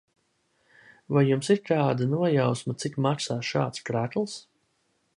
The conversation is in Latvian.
Vai jums ir kāda nojausma, cik maksā šāds krekls?